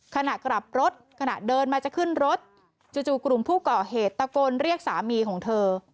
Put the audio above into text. ขณะกลับรถขณะเดินมาจะขึ้นรถจู่กลุ่มผู้ก่อเหตุตะโกนเรียกสามีของเธอ